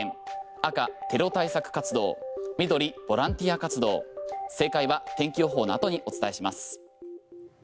赤、テロ対策活動緑、ボランティア活動正解は天気予報の後にお伝えします。